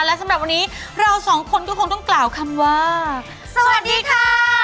และสำหรับวันนี้เราสองคนก็คงต้องกล่าวคำว่าสวัสดีค่ะ